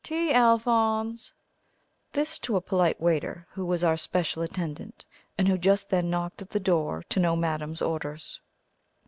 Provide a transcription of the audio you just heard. Tea, Alphonse!" This to a polite waiter, who was our special attendant, and who just then knocked at the door to know "madame's" orders.